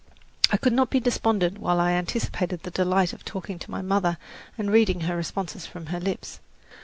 I could not be despondent while I anticipated the delight of talking to my mother and reading her responses from her lips.